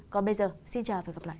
còn bây giờ xin chào và gặp lại